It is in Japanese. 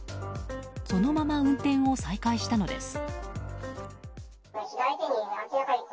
そのまま運転を再開したのです。